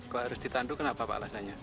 kok harus ditandu kenapa pak alasannya